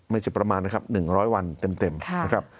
ไม่ใช่ประมาณนะครับ๑๐๐วันเต็มนะครับ